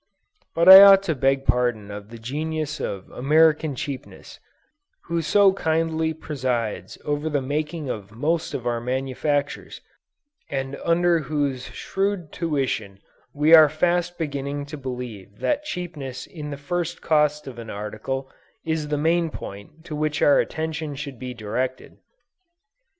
But I ought to beg pardon of the Genius of American cheapness, who so kindly presides over the making of most of our manufactures, and under whose shrewd tuition we are fast beginning to believe that cheapness in the first cost of an article, is the main point to which our attention should be directed!